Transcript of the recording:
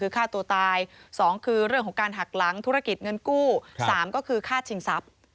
๑ค่าตัวตาย๒เรื่องคุการหักหลังธุรกิจเงินกู้๓ค่าสินสรรพ